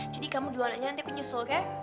jadi kamu duluan aja nanti aku nyusul ya